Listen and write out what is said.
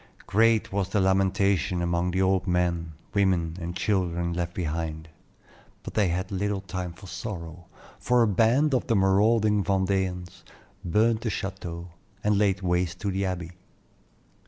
Great was the lamentation among the old men, women, and children left behind; but they had little time for sorrow, for a band of the marauding Vendeans burned the chateau, and laid waste the Abbey.